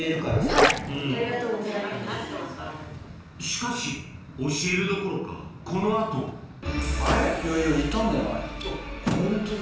しかし教えるどころかこの後ホントだ。